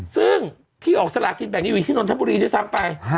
ซึ่งที่ออกสลากินแบ่งนี้อยู่ที่นนทบุรีด้วยซ้ำไป